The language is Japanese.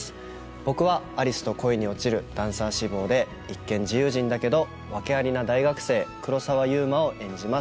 僕は有栖と恋に落ちるダンサー志望で一見自由人だけど訳ありな大学生黒澤祐馬を演じます